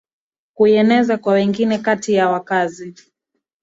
kuieneza kwa wengine Kati ya wakazi